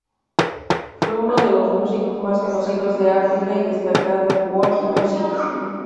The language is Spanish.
Fue uno de los músicos más conocidos de África y destacado en World music.